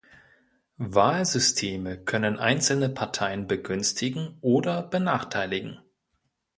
Wahlsysteme können einzelne Parteien begünstigen oder benachteiligen.